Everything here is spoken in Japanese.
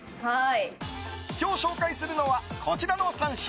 今日紹介するのはこちらの３品。